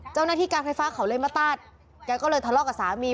เจ้าหน้าที่การไฟฟ้าเขาเลยมาตัดแกก็เลยทะเลาะกับสามี